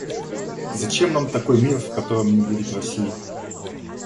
Зачем нам такой мир, в котором не будет России!